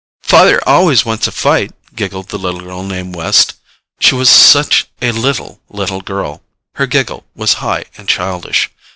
"Father always wants a fight," giggled the little girl named West. She was such a little little girl. Her giggle was high and childish.